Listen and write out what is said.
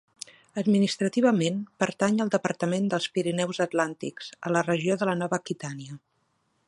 Administrativament pertany al departament dels Pirineus Atlàntics, a la regió de la Nova Aquitània.